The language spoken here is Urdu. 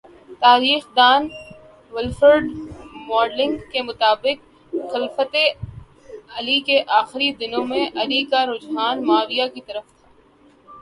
تاریخ دان ولفرڈ ماڈلنگ کے مطابق خلافتِ علی کے آخری دنوں میں علی کا رجحان معاویہ کی طرف تھا